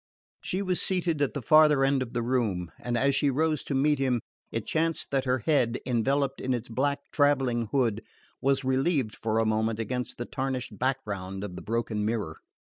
She was seated at the farther end of the room, and as she rose to meet him it chanced that her head, enveloped in its black travelling hood, was relieved for a moment against the tarnished background of the broken mirror.